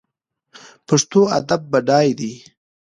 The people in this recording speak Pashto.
پښتو ادب بډای دی